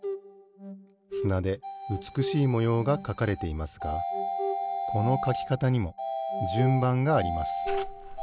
すなでうつくしいもようがかかれていますがこのかきかたにもじゅんばんがあります。